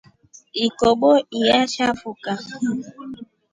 Ikobo iashafuka.